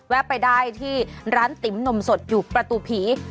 ไปได้ที่ร้านติ๋มนมสดอยู่ประตูผี